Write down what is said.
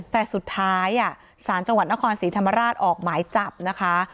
แต่สุดท้ายอ่ะศาลจนครศิษฐมราชออกหมายจับนะคะ